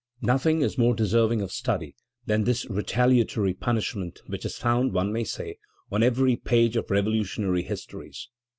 Nothing is more deserving of study than this retaliatory punishment which is found, one may say, on every page of revolutionary histories.